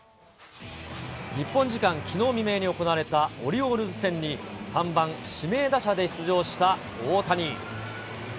日本時間きのう未明に行われたオリオールズ戦に、３番指名打者で出場した大谷。